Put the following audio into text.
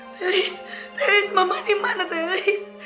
teris teris mama dimana teris